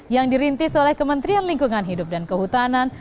yang dirintis oleh kementerian lingkungan hidup dan kehutanan